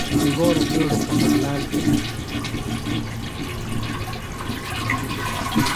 انگور بِیڈو خطرناک دےۡ۔